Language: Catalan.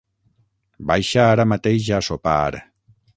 Baixa ara mateix a sopar.